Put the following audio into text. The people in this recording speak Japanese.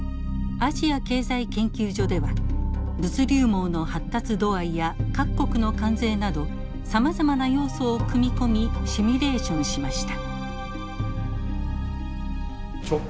アジア経済研究所では物流網の発達度合いや各国の関税などさまざまな要素を組み込みシミュレーションしました。